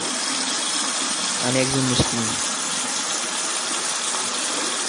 তিনি তেলুগু, ওড়িয়া, হিন্দি, সংস্কৃত, এবং ইংরেজিতে একাধিক লেখালেখির কাজ করেছেন।